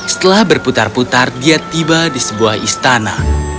setelah berputar putar dia tiba di sebuah istana